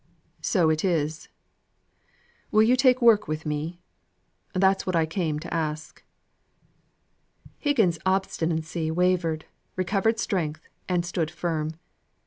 "So it is. Will you take work with me? That's what I came to ask." Higgins's obstinacy wavered, recovered strength, and stood firm.